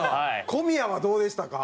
小宮はどうでしたか？